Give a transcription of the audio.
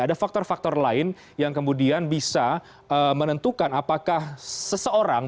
ada faktor faktor lain yang kemudian bisa menentukan apakah seseorang